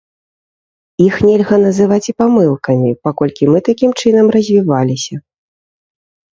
Іх нельга называць і памылкамі, паколькі мы такім чынам развіваліся.